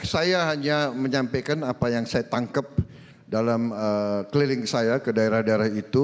saya hanya menyampaikan apa yang saya tangkap dalam keliling saya ke daerah daerah itu